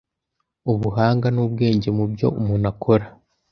ubuhanga n’ubwenge mu byo umuntu akora